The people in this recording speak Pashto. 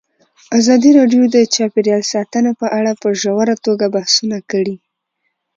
ازادي راډیو د چاپیریال ساتنه په اړه په ژوره توګه بحثونه کړي.